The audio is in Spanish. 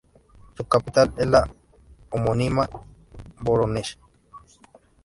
Su capital es la homónima Vorónezh.